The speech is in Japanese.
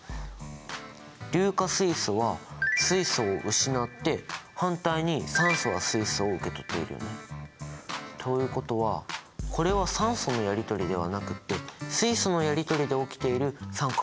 硫化水素は水素を失って反対に酸素は水素を受け取っているよね。ということはこれは酸素のやりとりではなくて水素のやりとりで起きている酸化還元反応っていうこと？